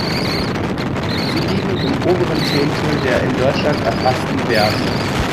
Sie liegen im oberen Zehntel der in Deutschland erfassten Werte.